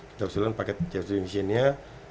kita usulkan paket ceph demisiennya